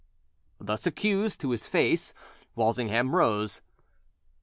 Thus accused to his face, Walsingham rose.